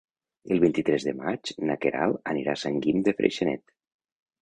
El vint-i-tres de maig na Queralt anirà a Sant Guim de Freixenet.